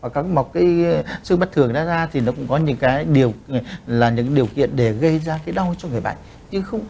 các mọc xương bất thường ra thì nó cũng có những điều kiện để gây ra cái đau cho người bệnh